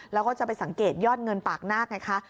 แล้วก็จะไปสังเกตยอดเงินปากนาคไงคะ